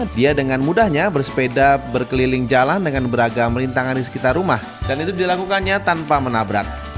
dia dengan mudahnya bersepeda berkeliling jalan dengan beragam rintangan di sekitar rumah dan itu dilakukannya tanpa menabrak